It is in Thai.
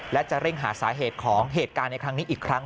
และจะเร่งหาสาเหตุของเหตุการณ์ในครั้งนี้อีกครั้ง